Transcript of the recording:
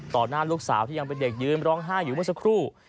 หน้าลูกสาวที่ยังเป็นเด็กยืนร้องไห้อยู่เมื่อสักครู่